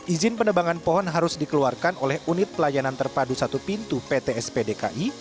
izin penebangan pohon harus dikeluarkan oleh unit pelayanan terpadu satu pintu ptsp dki